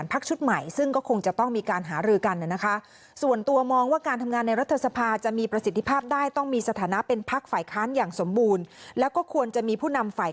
ผมยังชอบเป็นรายการที่การพักอยู่